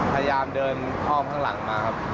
พยายามเดินอ้อมข้างหลังมาครับ